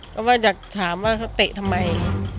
ก็อยากถามว่าเขาเตะทำไม